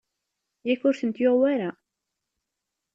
Yak ur tent-yuɣ wara?